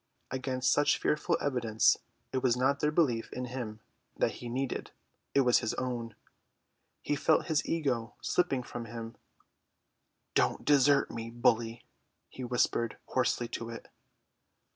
Against such fearful evidence it was not their belief in him that he needed, it was his own. He felt his ego slipping from him. "Don't desert me, bully," he whispered hoarsely to it.